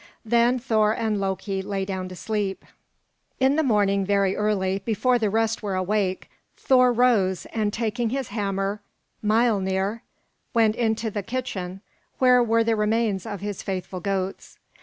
Then Thor and Loki lay down to sleep. In the morning, very early, before the rest were awake, Thor rose, and taking his hammer, Miölnir, went into the kitchen, where were the remains of his faithful goats.